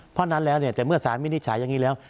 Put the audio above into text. เพราะฉะนั้นแล้วเนี่ยแต่เมื่อสารวินิจฉัยอย่างนี้แล้ว